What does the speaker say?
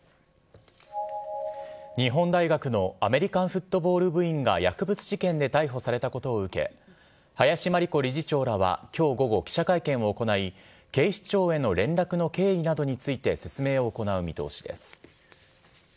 日本大学のアメリカンフットボール部員が薬物事件で逮捕されたことを受け、林真理子理事長らはきょう午後、記者会見を行い、警視庁への連絡の経緯などについて説明を行う見通しです。